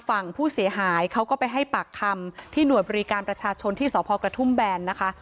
ฝั่งผู้เสียหายเขาก็ไปให้ปากคำที่หน่วยบริการประชาชนที่สพกระทุ่มแบนนะคะ